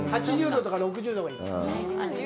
８０度とか、６０度がいいんです。